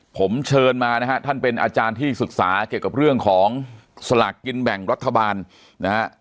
ผมเชิญมานะฮะท่านเป็นอาจารย์ที่ศึกษาเกี่ยวกับเรื่องของสลากกินแบ่งรัฐบาลนะฮะ